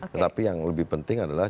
tetapi yang lebih penting adalah